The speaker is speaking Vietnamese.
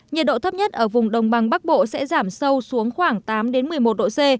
nhiệt độ thấp nhất ở vùng đồng bằng bắc bộ sẽ giảm sâu xuống khoảng tám một mươi một độ c